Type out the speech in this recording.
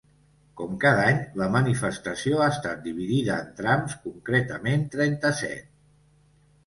Com cada any, la manifestació ha estat dividida en trams, concretament trenta-set.